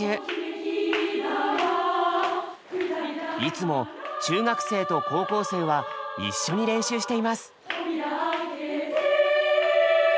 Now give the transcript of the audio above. いつも中学生と高校生は一緒に練習しています。